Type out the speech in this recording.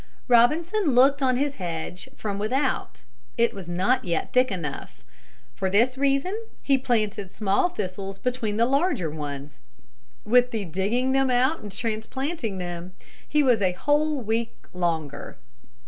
Robinson looked on his hedge from without. It was not yet thick enough. For this reason he planted small thistles between the larger ones. With the digging them out and transplanting them he was a whole week longer.